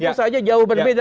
itu saja jauh berbeda